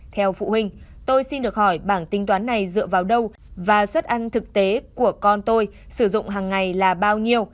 theo phụ huynh tôi xin được hỏi bảng tinh toán này dựa vào đâu và xuất ăn thực tế của con tôi sử dụng hằng ngày là bao nhiêu